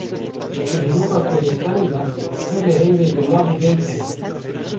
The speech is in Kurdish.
Di dîroka Kurdistanê de pir lehengên bi nav û deng hene